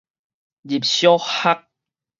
入小學